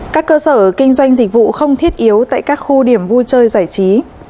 các cơ sở kinh doanh dịch vụ không thiết yếu tại các khu điểm vui chơi giải trí